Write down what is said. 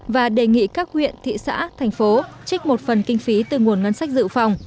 và đề nghị các huyện thị xã thành phố trích một phần kinh phí từ nguồn ngân sách dự phòng